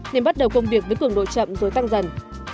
nên bắt đầu công việc với cường độ chậm rồi tăng dần